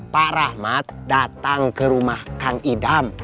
pak rahmat datang ke rumah kang idam